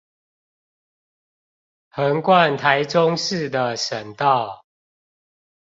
橫貫臺中市的省道